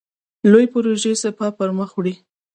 لویې پروژې سپاه پرمخ وړي.